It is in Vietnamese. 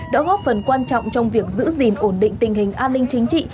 đã góp phần quan trọng trong việc giữ gìn ổn định tình hình an ninh chính trị